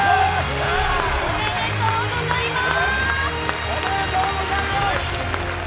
おめでとうございます。